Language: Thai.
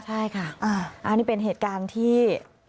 ใช่ค่ะอันนี้เป็นเหตุการณ์ที่